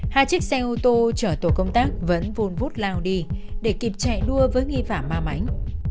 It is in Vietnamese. hai chiếc xe ô tô chở tổ công tác vẫn vun vút lao đi để kịp chạy đua với nghi vả ma mảnh